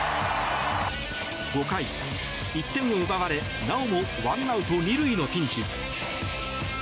５回１点を奪われなおも１アウト２塁のピンチ。